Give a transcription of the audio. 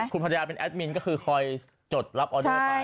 คุณภรรยาเป็นแอดมินก็คือคอยจดรับออเดอร์ไป